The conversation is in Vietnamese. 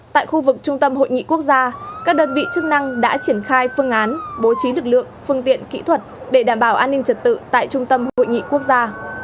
tại khu vực trung tâm hội nghị quốc gia các đơn vị chức năng đã triển khai phương án bố trí lực lượng phương tiện kỹ thuật để đảm bảo an ninh trật tự tại trung tâm hội nghị quốc gia